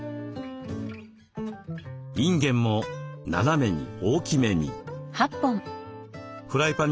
いんげんも斜めに大きめに。